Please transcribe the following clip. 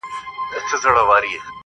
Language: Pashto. فخر په پلار او په نیکونو کوي؛